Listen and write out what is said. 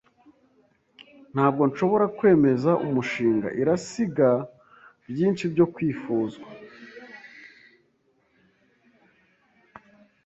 Ntabwo nshobora kwemeza umushinga. Irasiga byinshi byo kwifuzwa.